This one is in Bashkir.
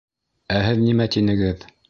— Ә һеҙ нимә тинегеҙ?